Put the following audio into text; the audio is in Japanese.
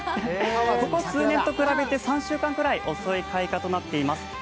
ここ数年と比べて３週間ぐらい遅い開化となっています。